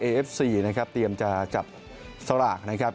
เอเอฟซีนะครับเตรียมจะจับสลากนะครับ